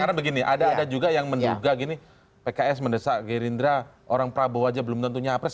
karena begini ada juga yang menduga gini pks mendesak gerindra orang prabowo aja belum tentunya apres